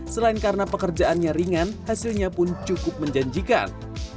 selain karena pekerjaannya ringan hasilnya pun cukup menjanjikan